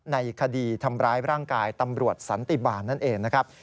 ในคดีทำร้ายร่างกายตำรวจสันติบาลนั่นเองนะครับ